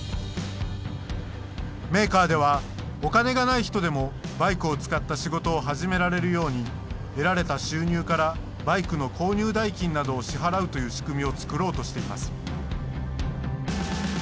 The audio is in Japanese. メーカーではお金がない人でもバイクを使った仕事を始められるように得られた収入からバイクの購入代金などを支払うという仕組みを作ろうとしています。